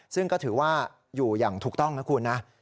ซึ่งก็ถือว่าอยู่อย่างถูกต้องนะคุณนะ